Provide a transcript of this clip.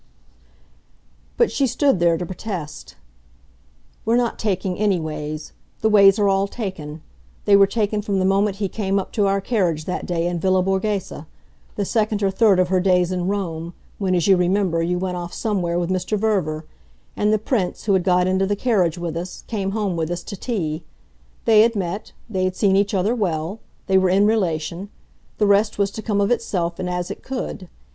But she stood there to protest. "We're not taking any ways. The ways are all taken; they were taken from the moment he came up to our carriage that day in Villa Borghese the second or third of her days in Rome, when, as you remember, you went off somewhere with Mr. Verver, and the Prince, who had got into the carriage with us, came home with us to tea. They had met; they had seen each other well; they were in relation: the rest was to come of itself and as it could.